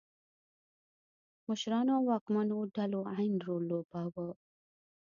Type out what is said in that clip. مشرانو او واکمنو ډلو عین رول لوباوه.